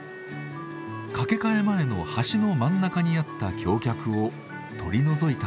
かけ替え前の橋の真ん中にあった橋脚を取り除いたのです。